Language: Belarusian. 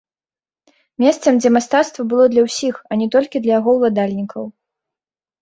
Месцам, дзе мастацтва было для ўсіх, а не толькі для яго ўладальнікаў.